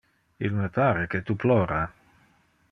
Il me pare que tu plora.